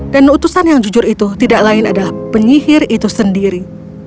dan utusan yang jujur itu tidak lain adalah penyihir itu sendiri